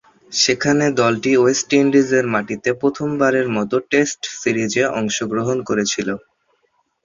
সেখানে দলটি ওয়েস্ট ইন্ডিজের মাটিতে প্রথমবারের মতো টেস্ট সিরিজে অংশগ্রহণ করেছিল।